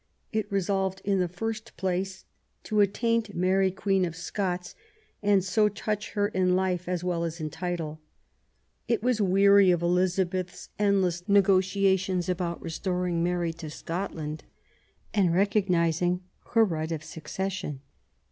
It resolved in the first place to attaint Mary Queen of Scots and so ''touch her in life as well as in title ". It was weary of Elizabeth's endless negotiations about restoring Mary to Scot land, and recognising her right of succession.